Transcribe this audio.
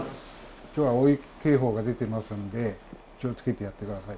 今日は大雪警報が出てますんで気を付けてやってください。